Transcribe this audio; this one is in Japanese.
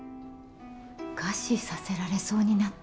餓死させられそうになった？